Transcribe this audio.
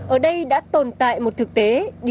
ở đây đã tổn thương